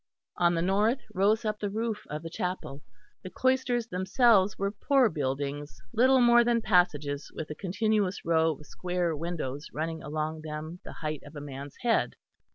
On the north rose up the roof of the chapel. The cloisters themselves were poor buildings little more than passages with a continuous row of square windows running along them the height of a man's head.